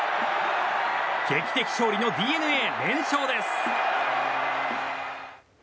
劇的勝利のＤｅＮＡ、連勝です。